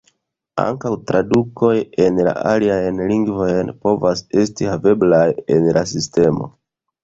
Ankaŭ tradukoj en la aliajn lingvojn povas esti haveblaj en la sistemo.